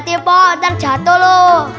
jatih pok ntar jatuh lo